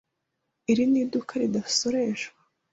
Iri ni iduka ridasoreshwa?